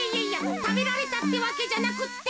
たべられたってわけじゃなくって。